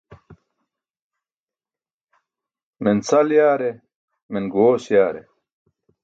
Men sal yaare, men guẏoos yaare.